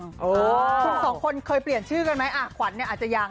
คุณสองคนเคยเปลี่ยนชื่อกันไหมขวัญเนี่ยอาจจะยัง